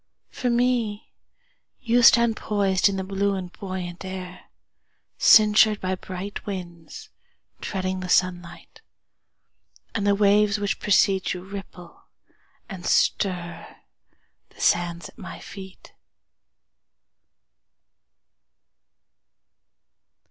For me, You stand poisedIn the blue and buoyant air, Cinctured by bright winds, Treading the sunlight. And the waves which precede youRipple and stirThe sands at my feet.